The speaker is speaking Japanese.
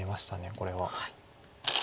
これは。